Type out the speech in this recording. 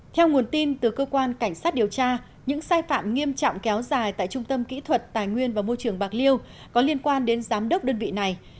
theo nguồn tin từ cơ quan cảnh sát điều tra những sai phạm nghiêm trọng kéo dài tại trung tâm kỹ thuật tài nguyên và môi trường bạc liêu có liên quan đến giám đốc đơn vị này